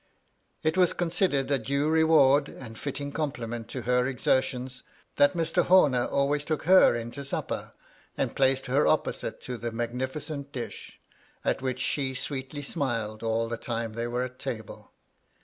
It was considered a due reward and fitting compliment to her exertions that Mr. Homer always took her in to supper, and placed her opposite to the magnificent dish, at which she sweetly smiled all the time they were at table.